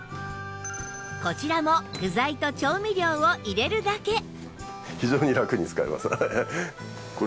こちらも具材と調味料を入れるだけ